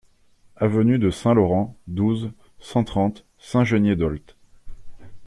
Avenue de Saint-Laurent, douze, cent trente Saint-Geniez-d'Olt